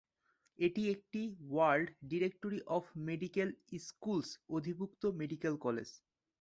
এটি একটি world directory of medical schools অধিভুক্ত মেডিকেল কলেজ।